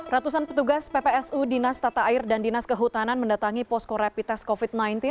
ratusan petugas ppsu dinas tata air dan dinas kehutanan mendatangi posko rapid test covid sembilan belas